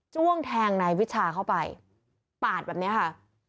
้วงแทงนายวิชาเข้าไปปาดแบบนี้ค่ะ